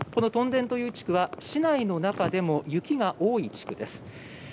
屯田という地区は市内の中でも雪が多い地区です。